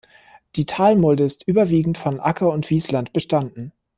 Die Talmulde ist überwiegend von Acker- und Wiesland bestanden.